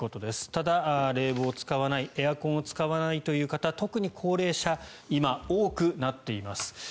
ただ、冷房を使わないエアコンを使わないという方特に高齢者今、多くなっています。